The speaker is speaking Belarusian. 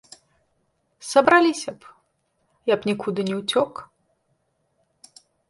Сабраліся б, я б нікуды не ўцёк.